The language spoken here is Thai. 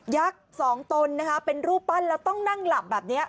ักษ์สองตนนะคะเป็นรูปปั้นแล้วต้องนั่งหลับแบบนี้